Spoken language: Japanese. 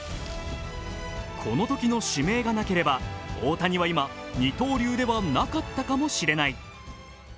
このときの指名がなければ大谷は今二刀流ではなかったかもしれない。